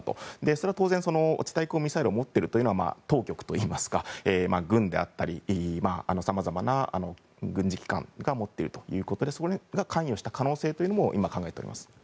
それは当然、地対空ミサイルを持っているというのは当局というか、軍だったりさまざまな軍事機関が持っているということでそれが関与した可能性というのを今、考えています。